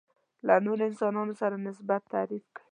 نورو انسانانو سره نسبت تعریف کوي.